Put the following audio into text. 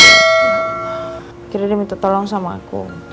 akhirnya dia minta tolong sama aku